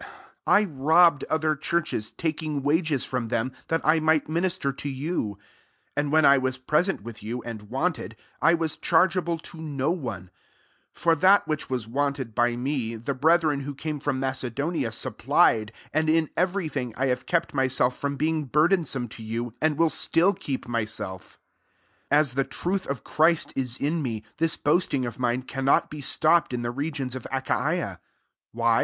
8 I robbed other churches, trit ing wages from them^ that I might minister to you: 9 and when I was present with yon, aT\d wanted, I was chargeable to no one : for that which was wanted by me, the bretltfea who came from Macedoma supplied; and in every thing, I have kept myself from being burdensome to you, and will still keep myself. 10 As the truth of Christ is in me, this boasting of mme cannot be stopped in the re gions of Achaia. 11 Why?